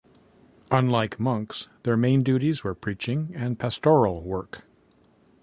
Unlike monks, their main duties were preaching and pastoral work.